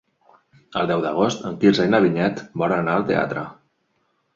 El deu d'agost en Quirze i na Vinyet volen anar al teatre.